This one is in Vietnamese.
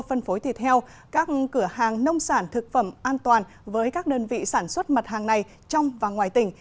phân phối thịt heo các cửa hàng nông sản thực phẩm an toàn với các đơn vị sản xuất mặt hàng này trong và ngoài tỉnh